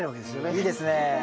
いいですね。